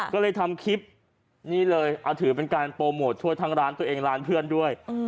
ก็เลยทำคลิปนี่เลยถือเป็นการโปรโมทช่วยทั้งร้านตัวเองร้านเพื่อนด้วย